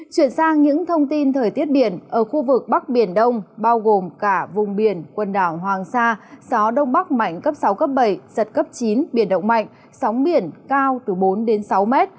chuyển sang những thông tin thời tiết biển ở khu vực bắc biển đông bao gồm cả vùng biển quần đảo hoàng sa gió đông bắc mạnh cấp sáu cấp bảy giật cấp chín biển động mạnh sóng biển cao từ bốn đến sáu mét